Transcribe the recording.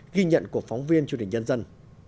ghi nhận của phóng viên chương trình nhân dân